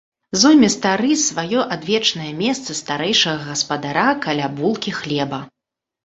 Зойме стары сваё адвечнае месца старэйшага гаспадара каля булкі хлеба.